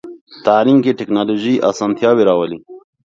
تعلیم کې ټکنالوژي اسانتیاوې راولي.